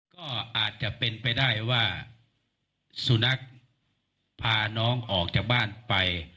ก็อาจจะเป็นไปได้ว่าสุนัขพาน้องออกจากบ้านไป